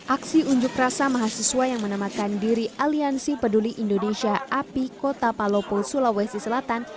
aksi unjuk rasa mahasiswa yang menamakan diri aliansi peduli indonesia api kota palopo sulawesi selatan